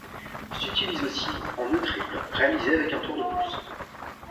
S'utilise aussi en nœud triple, réalisé avec un tour de plus.